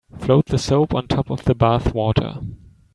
Float the soap on top of the bath water.